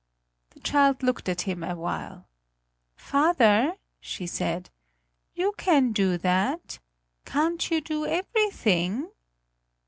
The child looked at him a while: "Father," she said, "you can do that. Can't you do everything?"